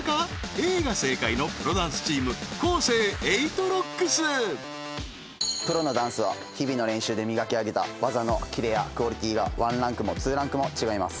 Ａが正解のプロダンスチームプロのダンスは日々の練習で磨き上げた技のキレやクオリティーが１ランクも２ランクも違います